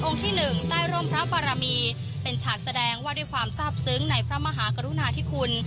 ที่หนึ่งใต้ร่มพระบารมีเป็นฉากแสดงว่าด้วยความทราบซึ้งในพระมหากรุณาธิคุณ